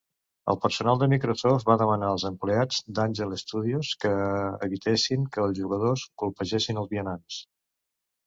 El personal de Microsoft va demanar als empleats d'Angel Studios que evitessin que els jugadors colpegessin els vianants.